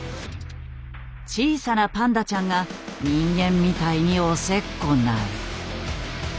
小さなパンダちゃんが人間みたいに押せっこない。